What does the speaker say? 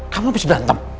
kamu habis berantem